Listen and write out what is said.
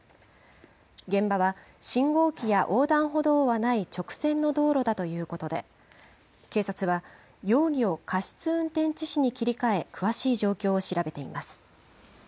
現場は、信号機や横断歩道はない直線の道路だということで、警察は、容疑を過失運転致死に切り替え、詳しい状況を調べています。